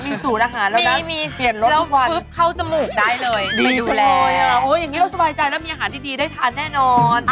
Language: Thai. มีสูตรอาหารแล้วนะเปลี่ยนรถทุกวันแล้วปุ๊บเข้าจมูกได้เลยได้ดูแลอ๋ออย่างนี้เราสบายใจแล้วมีอาหารดีได้ทานแน่นอน